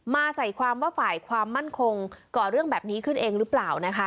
ใส่ความว่าฝ่ายความมั่นคงก่อเรื่องแบบนี้ขึ้นเองหรือเปล่านะคะ